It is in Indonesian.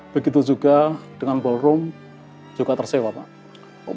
begitu juga dengan ballroom juga tersewa pak